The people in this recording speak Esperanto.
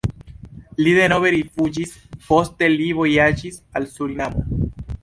Li denove rifuĝis, poste li vojaĝis al Surinamo.